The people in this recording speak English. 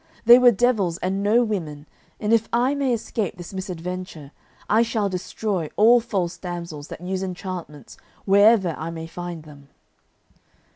They were devils and no women, and if I may escape this misadventure, I shall destroy all false damsels that use enchantments, wherever I may find them."